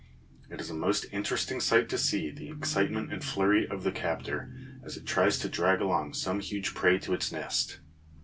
It is a most interesting sight to see the excitement and flurry of the captor as it tries to drag along some huge prey to its nest.